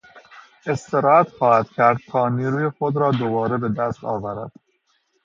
استراحت خواهد کردتا نیروی خود را دوباره به دست آورد.